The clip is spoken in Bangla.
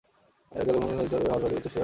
এরা জলাভূমি, নদীর চর ও হাওর বাঁওড়ে চরে বেড়ায়।